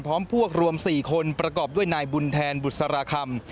พร้อมพวกรวม๔คนประกอบด้วยนายบุญแทนบุษราคำ